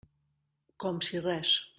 Com si res.